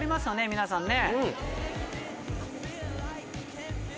皆さんね。